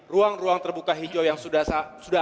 ruang ruang terbuka hijau yang sudah